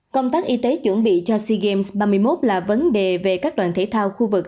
công tác y tế chuẩn bị cho sea games ba mươi một là vấn đề về các đoàn thể thao khu vực